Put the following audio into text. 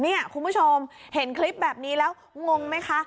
คุณผู้ชมเห็นคลิปแบบนี้แล้วงงไหมคะ